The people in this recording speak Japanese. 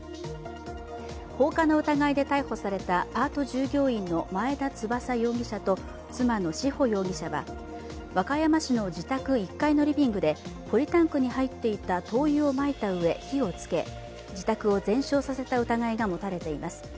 放火の疑いで逮捕されたパート従業員の前田翼容疑者と妻の志保容疑者は和歌山市の自宅１階のリビングでポリタンクに入っていた灯油をまいたうえ、火をつけ自宅を全焼させた疑いが持たれています。